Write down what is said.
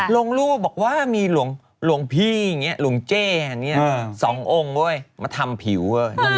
ลงรูปบอกว่ามีหลวงพี่หลวงเจ๊สององค์มาทำผิว